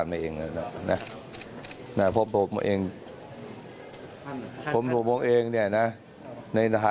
และพบบงงเอง